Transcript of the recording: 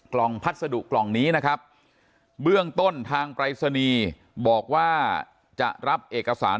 พัสดุกล่องนี้นะครับเบื้องต้นทางปรายศนีย์บอกว่าจะรับเอกสาร